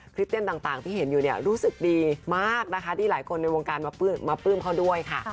คลิปเต้นต่างที่เห็นอยู่เนี่ยรู้สึกดีมากนะคะที่หลายคนในวงการมาปลื้มเขาด้วยค่ะ